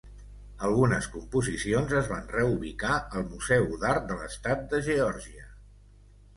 Algunes composicions es van reubicar al museu d'art de l'estat de Geòrgia.